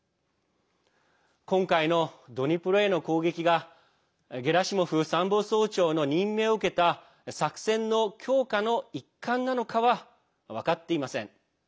今回のドニプロへの攻撃がゲラシモフ参謀総長の任命を受けた作戦の強化の一環なのかは分かっていません。